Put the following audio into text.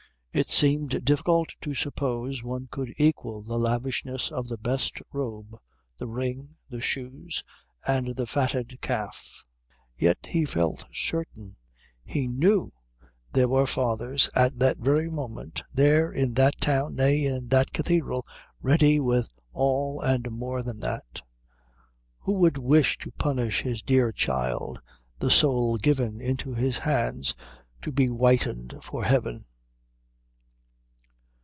It seemed difficult to suppose one could equal the lavishness of the best robe, the ring, the shoes, and the fatted calf, yet he felt certain he knew there were fathers at that very moment, there in that town, nay, in that cathedral, ready with all and more than that. Who would wish to punish his dear child, the soul given into his hands to be whitened for heaven?